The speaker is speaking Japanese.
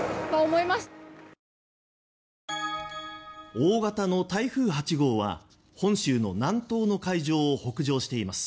大型の台風８号は本州の南東の海上を北上しています。